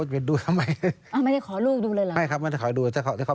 ไม่ได้ขอลูกดูเลยเหรอ